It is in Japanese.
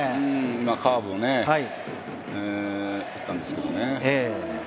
カーブを打ったんですけどね。